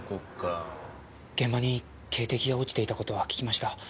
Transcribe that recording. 現場に警笛が落ちていた事は聞きました。